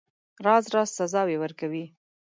راز راز سزاوي ورکوي.